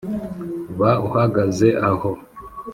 Ba uhagaze aho